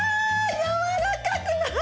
やわらかくない？